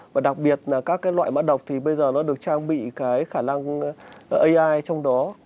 và đặc biệt là các cái loại mã độc thì bây giờ nó được trang bị cái khả năng ai trong đó